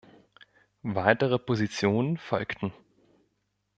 Weitere Positionen folgten.